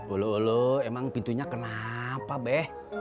elu elu emang pintunya kenapa beh